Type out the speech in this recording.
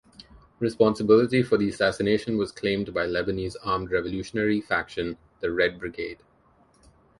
Responsibility for the assassination was claimed by Lebanese Armed Revolutionary Faction the Red Brigade.